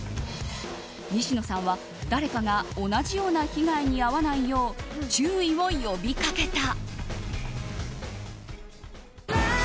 西野さんは誰かが同じような被害に遭わないよう注意を呼びかけた。